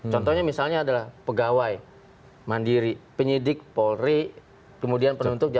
contohnya misalnya adalah pegawai mandiri penyidik polri kemudian penuntut